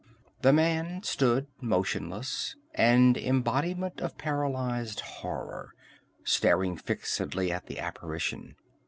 The man stood motionless, an embodiment of paralyzed horror, staring fixedly at the apparition.